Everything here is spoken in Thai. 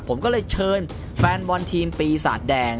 ผมก็เลยเชิญแฟนบอลทีมปีศาจแดง